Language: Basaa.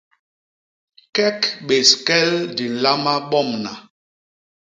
Kek bés kel di nlama bomna.